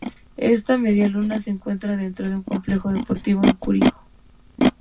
Esta medialuna se encuentra dentro de un complejo deportivo en Curicó.